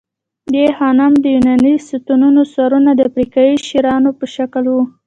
د آی خانم د یوناني ستونو سرونه د افریقايي شیرانو په شکل وو